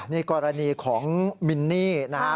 นี่กรณีของมินนี่นะครับ